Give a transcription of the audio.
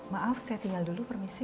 maaf saya tinggal dulu permisi